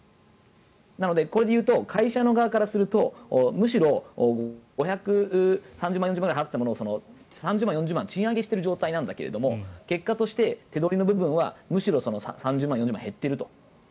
だから、これで言うと会社側するとむしろ５３０万５４０万払っていたものを３０万、４０万賃上げしている状況なんだけど結果として手取りの部分はむしろ３０万円、４０万円減っていると。